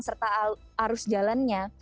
serta arus jalannya